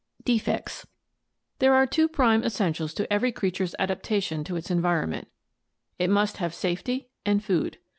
Defects. — There are two prime essentials to every creature's adaptation to its environment — it must have safety and food.